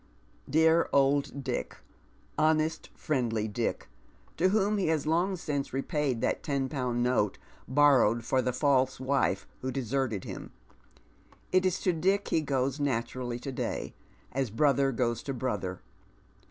Dear old Dick ! honest, friendly Dick, to whom he has long since repaid that ten pound note borrowed for the false wife who deserted him — it is to Dick he goes naturally to day, as brother goes to brother.